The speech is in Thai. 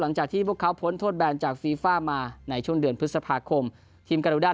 หลังจากที่พวกเขาพ้นโทษแบนจากฟีฟ่ามาในช่วงเดือนพฤษภาคมทีมการุดา